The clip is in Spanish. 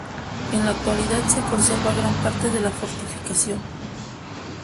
En la actualidad se conserva gran parte de la fortificación.